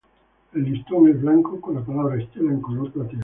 El listón es blanco con la palabra "Estela" en color plateado.